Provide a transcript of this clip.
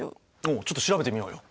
おおちょっと調べてみようよ。